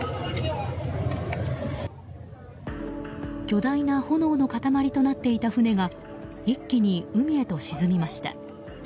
巨大な炎の塊となっていた船が一気に海へと沈みました。